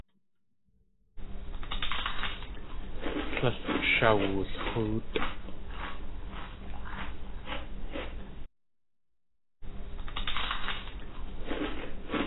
Tlél shawulx̲óotʼ.